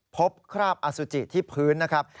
คราบอสุจิที่พื้นนะครับ